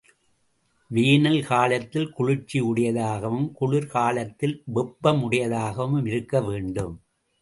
Van Allen காலத்தில் குளிர்ச்சி உடையதாகவும், குளிர் காலத்தில் வெப்பமுடையதாகவும் இருக்க வேண்டும்.